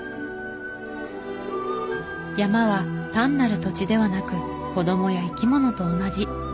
山は単なる土地ではなく子供や生き物と同じ。